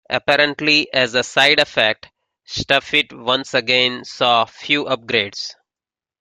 Apparently as a side-effect, StuffIt once again saw few upgrades.